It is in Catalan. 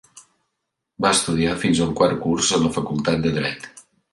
Va estudiar fins al quart curs en la Facultat de dret.